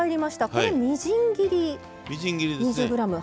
これはみじん切り２０ｇ。